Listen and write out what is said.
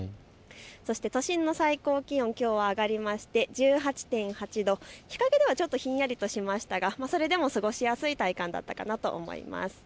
都心の最高気温、きょうは上がりまして１８．８度、日陰ではちょっとひんやりとしましたがそれでも過ごしやすい体感だったかなと思います。